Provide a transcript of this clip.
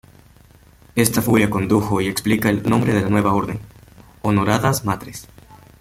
Esta furia condujo y explica el nombre de la nueva orden, Honoradas Matres.